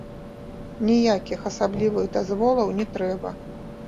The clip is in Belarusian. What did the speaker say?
Ніякіх асаблівых дазволаў не трэба.